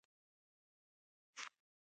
پر هر هغه څه ملنډې وهي.